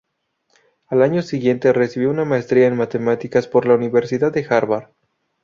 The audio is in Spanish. Al año siguiente, recibió una maestría en Matemáticas por la Universidad de Harvard.